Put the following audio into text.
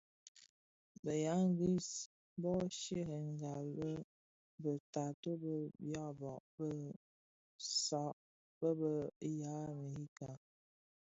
Bë ya ngris bö sherènga lè be taatôh bë dyaba bë saad bë bë ya Amerika.